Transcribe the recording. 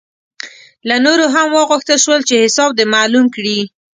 له نورو هم وغوښتل شول چې حساب دې معلوم کړي.